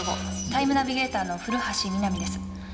タイムナビゲーターの古橋ミナミです。